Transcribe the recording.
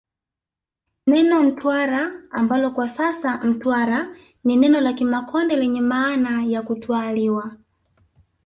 Neno Ntwara ambalo kwa sasa Mtwara ni neno la Kimakonde lenye maana ya kutwaaliwa